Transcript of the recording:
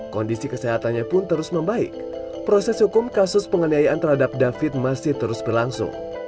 kondisi kesehatannya pun terus membaik proses hukum kasus penganiayaan terhadap david masih terus berlangsung